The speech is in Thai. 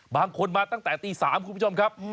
บางคนมาตั้งแต่ตี๓คุณผู้ชมครับ